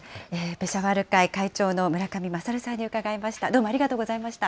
ペシャワール会会長の村上優さんに伺いました。